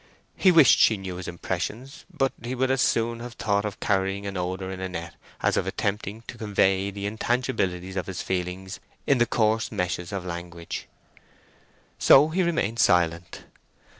He wished she knew his impressions; but he would as soon have thought of carrying an odour in a net as of attempting to convey the intangibilities of his feeling in the coarse meshes of language. So he remained silent.